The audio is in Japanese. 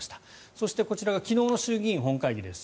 そして、こちらが昨日の衆議院本会議です。